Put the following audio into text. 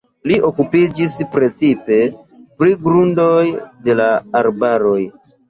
Li okupiĝis precipe pri grundoj de la arbaroj.